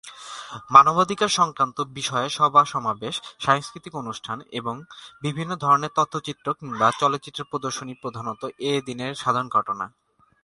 মানবাধিকার সংক্রান্ত বিষয়ে সভা-সমাবেশ, সাংস্কৃতিক অনুষ্ঠান এবং বিভিন্ন ধরনের তথ্যচিত্র কিংবা চলচ্চিত্র প্রদর্শনী প্রধানতঃ এ দিনের সাধারণ ঘটনা।